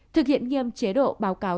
thực hiện nghiêm chế độ báo cáo